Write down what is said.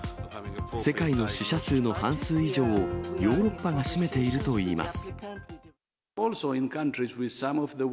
世界の死者数の半数以上をヨーロッパが占めているといいます。